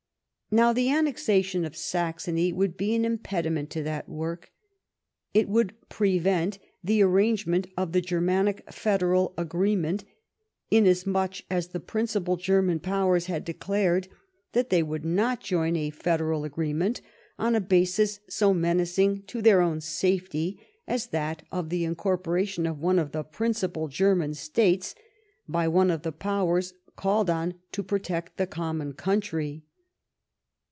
Now, the annexation of Saxony would be an impedi ment to that work ; it would prevent the arrangement of the Germanic Federal agreement, inasmuch as the principal German powers had declared that they would not join a Federal agreement on a basis so menacing to their own safety as that of the incorporation of one of the principal German States by one of the Powers called on to protect the common country.